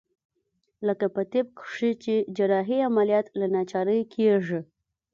لکه په طب کښې چې جراحي عمليات له ناچارۍ کېږي.